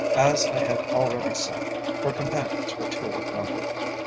As I have already said, her companions were two in number.